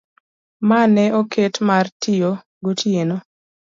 ma ne oket mar tiyo gotieno.